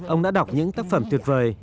ông đã đọc những tác phẩm tuyệt vời